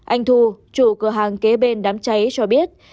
anh thu chủ cửa hàng kế bên đám cháy cho biết